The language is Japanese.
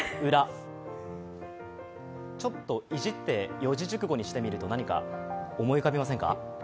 ちょっといじって四字熟語にしてみると、何か思い浮かびませんか。